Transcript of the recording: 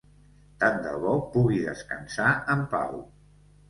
Tan de bo pugui descansar en pau.